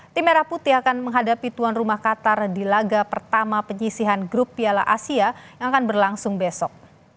tim merah putih akan menghadapi tuan rumah qatar di laga pertama penyisihan grup piala asia yang akan berlangsung besok